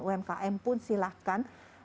umkm pun silahkan